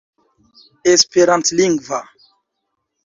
esperantlingva